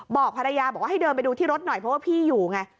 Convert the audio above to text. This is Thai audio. บอกภรรยาบอกว่าให้เดินไปดูที่รถหน่อยเพราะว่าพี่อยู่ไง